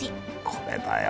これだよ。